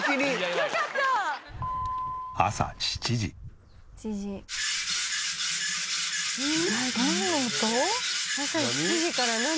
朝７時から何？